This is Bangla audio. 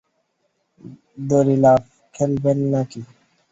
দড়ি লাফ খেলবেন না-কি?